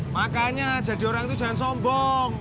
makanya jadi orang itu jangan sombong